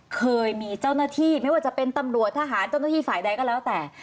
เคยมีเจ้าหน้าที่ไม่ว่าจะเป็นตำรวจทหารเจ้าหน้าที่ฝ่ายใดก็แล้วแต่